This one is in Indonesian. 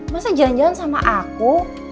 masa jalan jalan sama aku